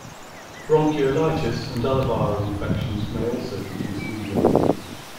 Bronchiolitis and other viral infections may also produce wheezing.